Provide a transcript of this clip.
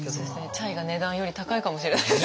チャイが値段より高いかもしれない。